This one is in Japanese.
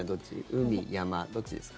海、山、どっちですか？